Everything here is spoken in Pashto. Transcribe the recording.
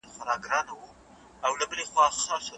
که درناوی وي نو مشران نه خفه کیږي.